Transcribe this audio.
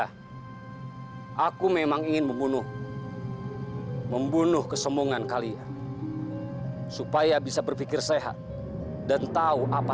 hai aku memang ingin membunuh hai membunuh kesembungan kalian supaya bisa berpikir sehat dan tahu apa